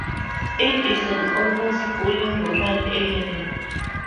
It is an almost fully rural area.